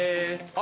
あ